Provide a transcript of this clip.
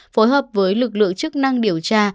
phối hợp với lực lượng chức năng điều tra